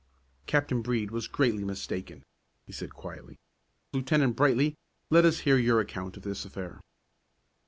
"Captain Brede was greatly mistaken," he said quietly. "Lieutenant Brightly, let us hear your account of this affair."